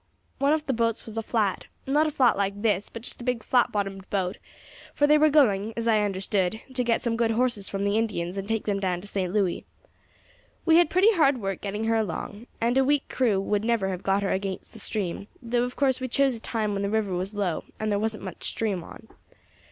One of the boats was a flat not a flat like this, but just a big flat bottomed boat, for they were going, as I understood, to get some good horses from the Indians and take them down to St. Louis. We had pretty hard work getting her along, and a weak crew would never have got her against the stream, though of course we chose a time when the river was low and there wasn't much stream on.